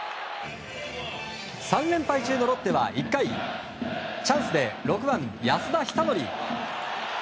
３連敗中のロッテは１回チャンスで６番、安田尚憲。